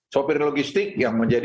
sopir logistik yang menjelaskan